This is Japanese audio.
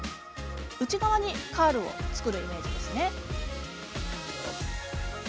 内側にカールを作るイメージです。